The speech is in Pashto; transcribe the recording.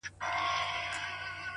لکه ول ستوري داسمان داسي راڼه ملګري-